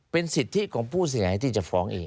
เป็นสิทธิของผู้เสียหายที่จะฟ้องเอง